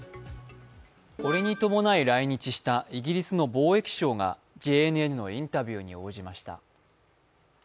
これに伴い来日したイギリスの貿易相がＪＮＮのインタビューに応じました。